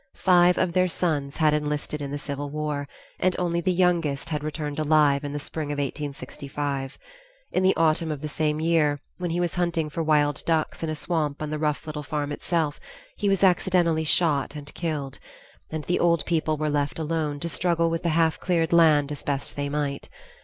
Five of their sons had enlisted in the Civil War, and only the youngest had returned alive in the spring of 1865. In the autumn of the same year, when he was hunting for wild ducks in a swamp on the rough little farm itself, he was accidently shot and killed, and the old people were left alone to struggle with the half cleared land as best they might.